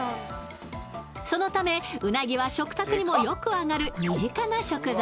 そのため、うなぎは食卓にもよく上がる身近な食材。